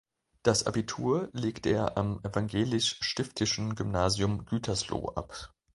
Das Abitur legte er am Evangelisch Stiftischen Gymnasium Gütersloh ab.